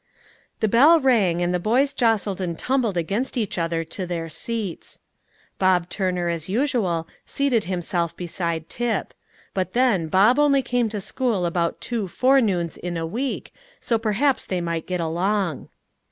The bell rang, and the boys jostled and tumbled against each other to their seats. Bob Turner, as usual, seated himself beside Tip; but then Bob only came to school about two forenoons in a week, so perhaps they might get along.